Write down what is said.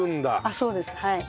そうですはい。